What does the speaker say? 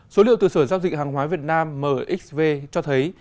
số liệu từ sở giao dịch hàng hóa việt nam mxv cho thấy